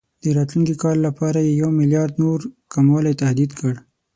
د راتلونکي کال لپاره یې یو میلیارډ نور کموالي تهدید کړ.